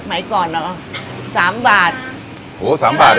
สมัยก่อนเนอะ๓บาท